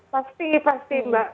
pasti pasti mbak